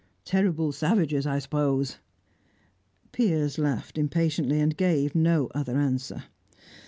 Terrible savages I suppose?" Piers laughed impatiently, and gave no other answer.